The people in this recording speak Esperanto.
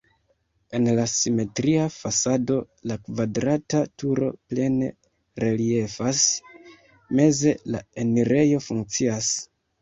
En la simetria fasado la kvadrata turo plene reliefas, meze la enirejo funkcias.